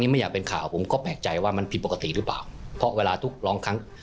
ไม่อยากเป็นข่าวผมก็แปลกใจว่ามันผิดปกติหรือเปล่าเพราะเวลาทุกร้องครั้ง